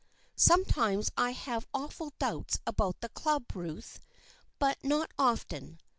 Sometimes I have awful doubts about the Club, Ruth — but not often.